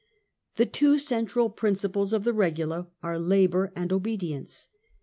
The two central principles of the Regula are labour and obedi ence.